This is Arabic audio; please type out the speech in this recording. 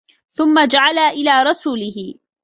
ثُمَّ جَعَلَ إلَى رَسُولِهِ